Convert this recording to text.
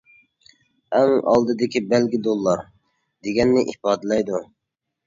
ئەڭ ئالدىدىكى بەلگە «دوللار» دېگەننى ئىپادىلەيدۇ.